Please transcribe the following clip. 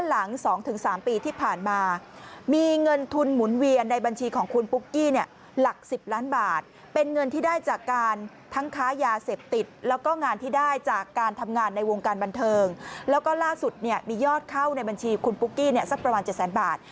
แล้วก็ล่าสุดมียอดเข้าในบัญชีคุณปุ๊กกี้สักประมาณ๗๐๐๐๐๐บาท